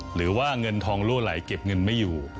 หรือว่าเงินทองรั่วไหลเก็บเงินไม่อยู่